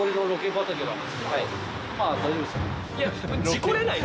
いや。